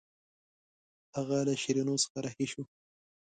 هغه له شیرینو څخه رهي شو.